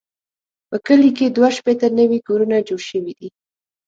په کلي کې دوه شپېته نوي کورونه جوړ شوي دي.